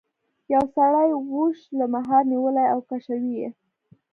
یو سړي اوښ له مهار نیولی او کشوي یې.